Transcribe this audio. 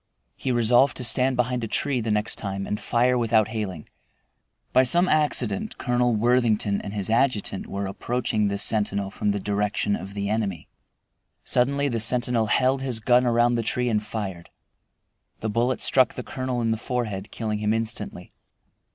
He resolved to stand behind a tree the next time and fire without hailing. By some accident Colonel Worthington and his adjutant were approaching this sentinel from the direction of the enemy. Suddenly the sentinel held his gun around the tree and fired. The bullet struck the colonel in the forehead, killing him instantly.